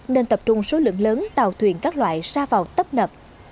nên tập trung số lượng lớn tàu thuyền các loại ra vào tấp nập